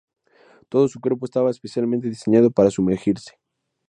Todo su cuerpo estaba especialmente diseñado para sumergirse.